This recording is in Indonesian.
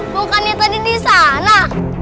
bukannya tadi di sana